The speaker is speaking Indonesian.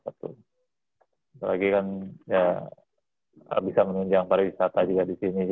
apalagi kan ya bisa menunjang pariwisata juga di sini